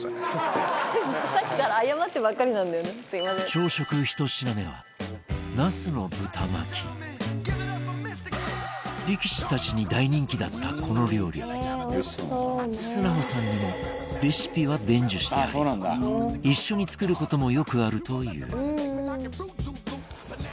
朝食１品目は、ナスの豚巻き力士たちに大人気だったこの料理沙帆さんにもレシピは伝授してあり一緒に作る事もよくあるという豊ノ島：